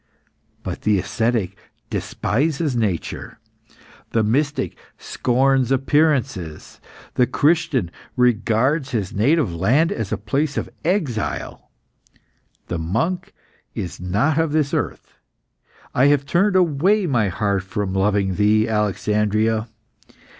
But the ascetic despises nature, the mystic scorns appearances, the Christian regards his native land as a place of exile, the monk is not of this earth. I have turned away my heart from loving thee, Alexandria.